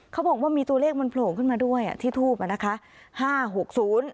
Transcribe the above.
เขาบอกว่ามีตัวเลขมันโผล่ขึ้นมาด้วยอ่ะที่ทูปอ่ะนะคะห้าหกศูนย์